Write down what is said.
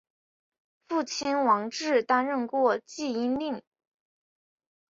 父亲王志担任过济阴令。